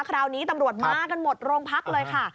คราวนี้ตำรวจมากันหมดโรงพักเลยค่ะ